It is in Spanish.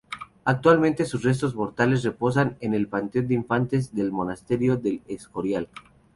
Actualmente, sus restos mortales reposan en el Panteón de Infantes del Monasterio del Escorial.